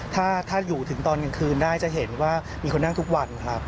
ถ้าอยู่ถึงตอนกลางคืนได้จะเห็นว่ามีคนนั่งทุกวันครับ